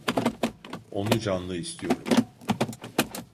Onu canlı istiyorum.